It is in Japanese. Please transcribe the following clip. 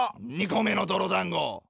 ２個目のどろだんご！